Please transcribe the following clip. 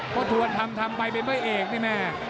เพราะทวนทำทำไปเป็นพระเอกนี่แม่